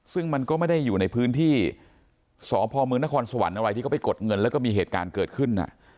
ซึ่งมันก็ไม่ได้อยู่ในพื้นที่สพมนครสวรรค์อะไรที่เขาไปกดเงินแล้วก็มีเหตุการณ์เกิดขึ้น